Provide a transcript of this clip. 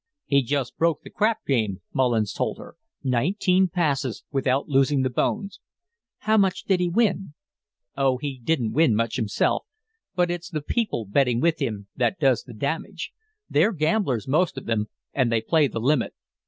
"He just broke the crap game," Mullins told her; "nineteen passes without losing the bones." "How much did he win?" "Oh, he didn't win much himself, but it's the people betting with him that does the damage! They're gamblers, most of them, and they play the limit.